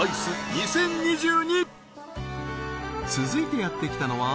続いてやってきたのは